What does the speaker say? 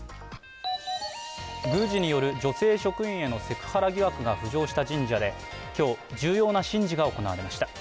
宮司による女性職員へのセクハラ疑惑が浮上した神社で今日、重要な神事が行われました。